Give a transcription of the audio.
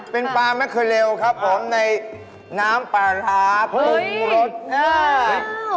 เป็นปลาแมคเคอเรลครับผมในน้ำปลาร้าปรุงรสอ่า